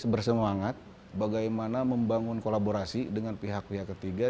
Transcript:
bersemangat bagaimana membangun kolaborasi dengan pihak pihak ketiga